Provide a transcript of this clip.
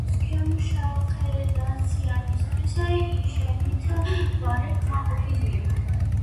ორქოს ქემშახედასიანი იშენით ვარე კმაყოფილია